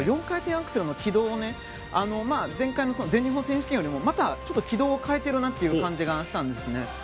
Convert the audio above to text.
４回転アクセルの軌道前回の全日本選手権よりもまた軌道を変えているなという感じがしたんですね。